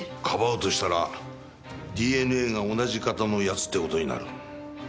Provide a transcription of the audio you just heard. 庇うとしたらＤＮＡが同じ型の奴って事になる。